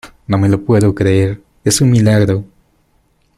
no me lo puedo creer. es un milagro .